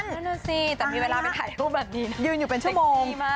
นั่นสิแต่มีเวลาไปถ่ายภูมิแบบนี้นะ